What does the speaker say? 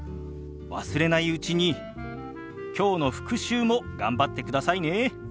忘れないうちにきょうの復習も頑張ってくださいね。